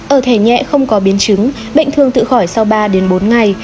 ở thể nhẹ không có biến chứng bệnh thường tự khỏi sau ba bốn ngày